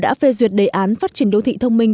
đã phê duyệt đề án phát triển đô thị thông minh